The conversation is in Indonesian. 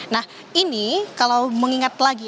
nah ini kalau mengingat lagi